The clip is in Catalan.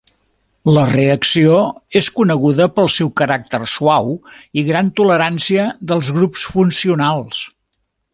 La reacció és coneguda pel seu caràcter suau i gran tolerància dels grups funcionals.